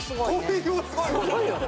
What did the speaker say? すごいよね。